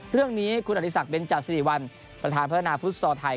เรื่องนี้คุณอธิสักเบนจาสิริวัลประธานพัฒนาฟุตซอลไทย